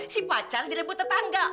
si pacar dilebut tetangga